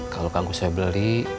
kalau kang kusoy beli